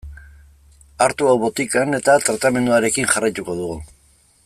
Hartu hau botikan eta tratamenduarekin jarraituko dugu.